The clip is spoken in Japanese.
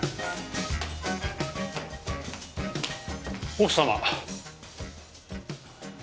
奥様。